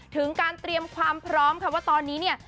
ถึงการเตรียมความพร้อมค่ะว่าตอนนี้เนี่ย